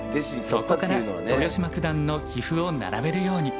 そこから豊島九段の棋譜を並べるように。